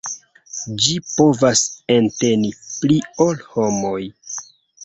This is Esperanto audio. Ĝi povas enteni pli ol homoj.